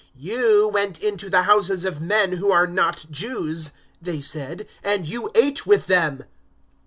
011:003 "You went into the houses of men who are not Jews," they said, "and you ate with them."